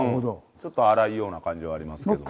ちょっと粗いような感じはありますけども。